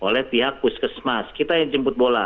oleh pihak puskesmas kita yang jemput bola